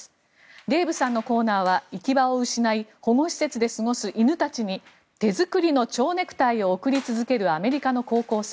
デーブさんのコーナーは行き場を失い保護施設で過ごす犬たちに手作りのちょうネクタイを贈り続けるアメリカの高校生。